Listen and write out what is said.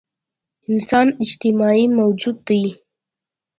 انسان اجتماعي موجود دی.